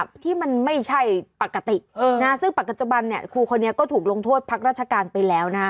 ที่มันไม่ใช่ปกตินะซึ่งปัจจุบันเนี่ยครูคนนี้ก็ถูกลงโทษพักราชการไปแล้วนะ